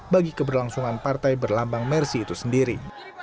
bagi keberlangsungan partai berlambang mersi itu sendiri